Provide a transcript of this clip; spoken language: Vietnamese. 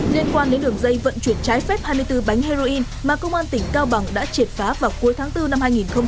liên quan đến đường dây vận chuyển trái phép hai mươi bốn bánh heroin mà công an tỉnh cao bằng đã triệt phá vào cuối tháng bốn năm hai nghìn hai mươi ba